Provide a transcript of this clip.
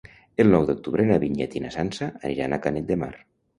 El nou d'octubre na Vinyet i na Sança aniran a Canet de Mar.